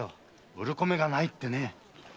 売る米がないってね。